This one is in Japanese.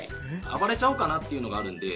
暴れちゃおうかなっていうのがあるんで。